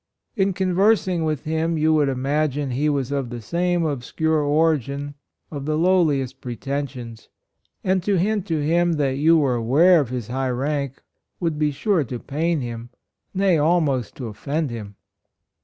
In conversing with him, you would VIRTUES. 105 imagine he was of the most obscure origin — of the lowliest pretensions, and to hint to him that you were aware of his high rank, would be sure to pain him, nay, almost to offend him.